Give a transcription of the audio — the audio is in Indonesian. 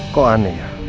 kok aneh ya